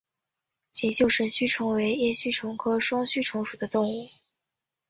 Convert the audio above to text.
锦绣神须虫为叶须虫科双须虫属的动物。